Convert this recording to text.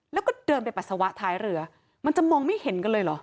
แล้วก็เดินไปปัสสาวะท้ายเรือมันจะมองไม่เห็นกันเลยเหรอ